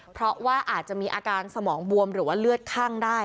เพราะว่าอาจจะมีอาการสมองบวมหรือว่าเลือดคั่งได้